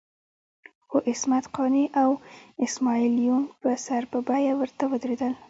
خو عصمت قانع او اسماعیل یون په سر په بیه ورته ودرېدل.